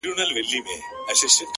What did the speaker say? • ما یې لیدی پر یوه لوړه څانګه,